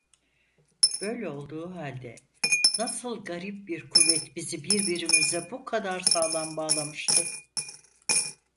Böyle olduğu halde nasıl garip bir kuvvet bizi birbirimize bu kadar sağlam bağlamıştı?